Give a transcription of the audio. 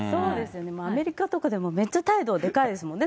アメリカとかでもめっちゃ態度でかいですもんね。